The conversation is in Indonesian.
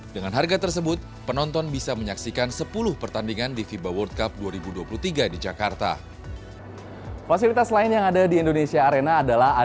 dengan harga tersebut penonton bisa menyaksikan sebagian dari delapan vip box yang diperlukan